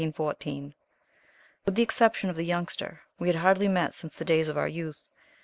With the exception of the Youngster, we had hardly met since the days of our youth.